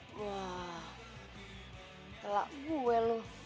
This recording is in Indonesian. wah telak gue lu